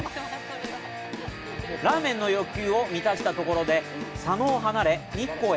ラーメンの欲求を満たしたところで、佐野を離れ、日光へ。